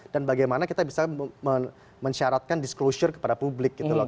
dan bagaimana kita bisa mensyaratkan disclosure kepada publik gitu loh